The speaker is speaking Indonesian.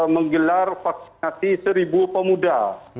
menggelar vaksinasi seribu pemuda